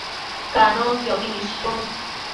Canonquiobi nidshun